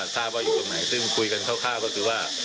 ทราบว่าอยู่ตรงไหนซึ่งคุยกันคร่าวก็คือว่า